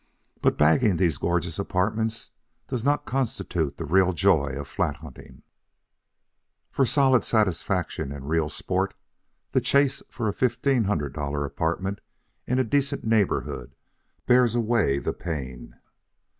But bagging these gorgeous apartments does not constitute the real joy of flat hunting. For solid satisfaction and real sport the chase for a fifteen hundred dollar apartment in a decent neighborhood bears away the palm.